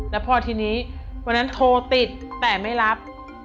แล้วพอทีนี้วันนั้นโทรติดแต่ไม่รับ